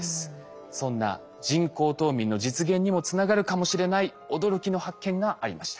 そんな人工冬眠の実現にもつながるかもしれない驚きの発見がありました。